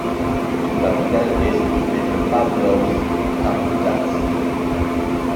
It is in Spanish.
Su capital es Petropávlovsk-Kamchatski.